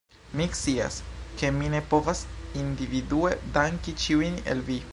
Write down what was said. Mi scias, ke mi ne povas individue danki ĉiujn el vi